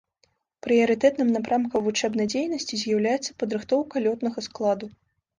Прыярытэтным напрамкам вучэбнай дзейнасці з'яўляецца падрыхтоўка лётнага складу.